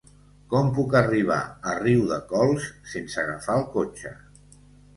Com puc arribar a Riudecols sense agafar el cotxe?